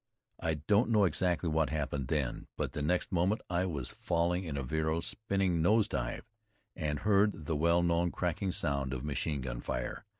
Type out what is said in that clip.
I don't know exactly what happened then, but the next moment I was falling in a vrille (spinning nose dive) and heard the well known crackling sound of machine gun fire.